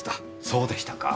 そうでしたか。